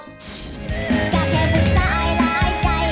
แค่คุยสายหลายใจควบคุยยิ่งหลายคน